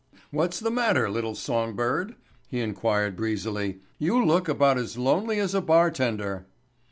"What's the matter, little song bird?" he inquired breezily. "You look about as lonely as a bartender."